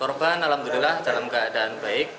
korban alhamdulillah dalam keadaan baik